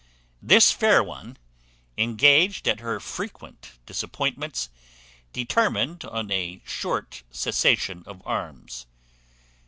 "The fair one, enraged at her frequent disappointments, determined on a short cessation of arms.